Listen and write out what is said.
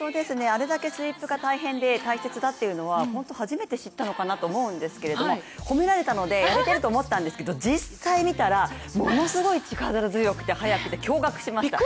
あれだけスイープが大変で大切だっていうのは本当、初めて知ったのかなと思うんですけどほめられたのでやれていると思ったんですけど実際見たらものすごい力強くて速くて驚がくしました。